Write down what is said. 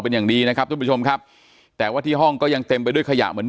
เป็นอย่างดีนะครับทุกผู้ชมครับแต่ว่าที่ห้องก็ยังเต็มไปด้วยขยะเหมือน